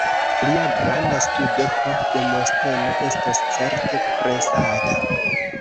Lia granda studo pri Demosteno estos certe presata.